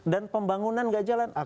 dan pembangunan gak jalan